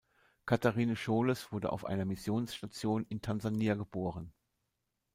Katherine Scholes wurde auf einer Missionsstation in Tansania geboren.